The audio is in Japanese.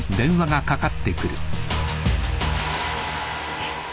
えっ！？